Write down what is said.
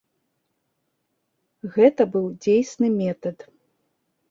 Гэта быў дзейсны метад.